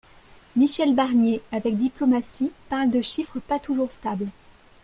Michel Barnier, avec diplomatie, parle de chiffres pas toujours stables.